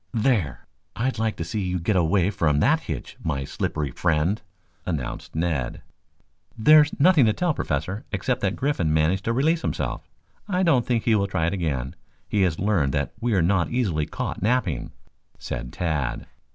"There, I'd like to see you get away from that hitch, my slippery friend," announced Ned. "There's nothing to tell, Professor, except that Griffin managed to release himself. I don't think he will try it again. He has learned that we are not easily caught napping," said Tad.